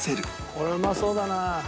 これうまそうだな。